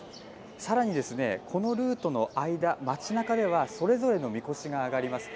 さらに、このルートの間、街なかでは、それぞれのみこしがあがります。